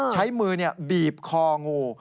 ใช้มือบีบคองู